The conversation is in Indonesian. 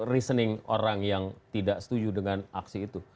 reasoning orang yang tidak setuju dengan aksi itu